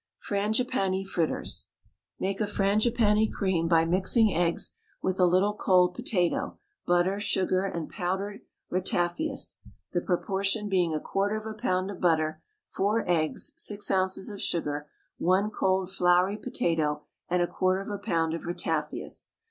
FRANGIPANE FRITTERS. Make a Frangipane cream by mixing eggs with a little cold potato, butter, sugar, and powdered ratafias, the proportion being a quarter of a pound of butter, four eggs, six ounces of sugar, one cold floury potato, and a quarter of a pound of ratafias.